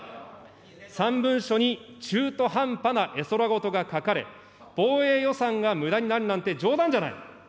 ３文書に中途半端な絵空事が書かれ、防衛予算がむだになるなんて冗談じゃない。